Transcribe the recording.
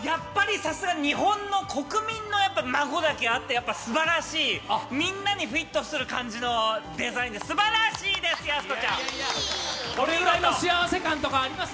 さすが日本の、国民の孫だけあってすばらしい、みんなにフィットする感じのデザインで、すばらしいです、やす子ちゃん！どれぐらいの幸せ感とか、あります？